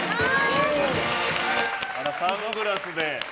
サングラスで。